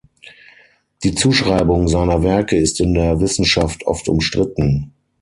Die Zuschreibung seiner Werke ist in der Wissenschaft oft umstritten.